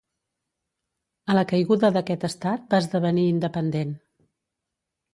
A la caiguda d'aquest estat va esdevenir independent.